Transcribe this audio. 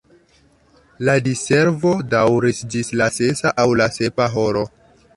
La diservo daŭris ĝis la sesa aŭ la sepa horo.